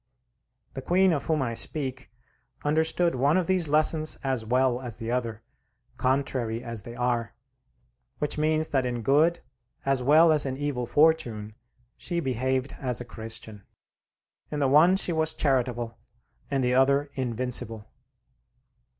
The Queen of whom I speak understood one of these lessons as well as the other, contrary as they are, which means that in good as well as in evil fortune she behaved as a Christian. In the one she was charitable, in the other invincible.